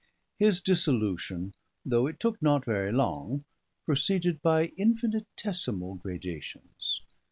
His dissolution, though it took not very long, proceeded by infinitesimal gradations.